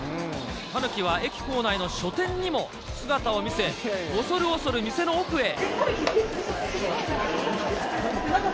タヌキは駅構内の書店にも姿を見せ、おそるおそる店の奥へ。